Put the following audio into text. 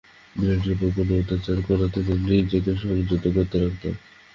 বিড়ালটির ওপর কোনো অত্যাচার করা থেকে নিজেকে সংযত রাখতাম।